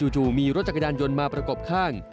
จู่มีรถจักรยานยนต์มาประกบข้าง